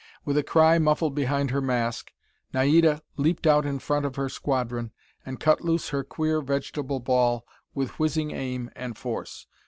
With a cry muffled behind her mask, Naida leaped out in front of her squadron and cut loose her queer vegetable ball with whizzing aim and force.